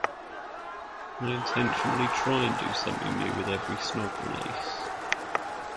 I intentionally try and do something new with every Snog release.